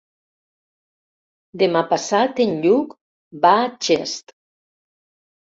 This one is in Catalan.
Demà passat en Lluc va a Xest.